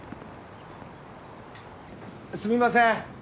すみません！